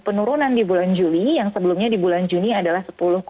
penurunan di bulan juli yang sebelumnya di bulan juni adalah sepuluh delapan puluh enam